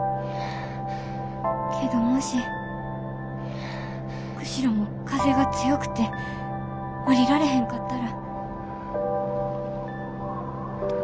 けどもし釧路も風が強くて降りられへんかったら。